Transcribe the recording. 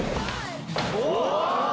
お！